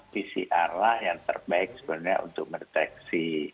pcr lah yang terbaik sebenarnya untuk mendeteksi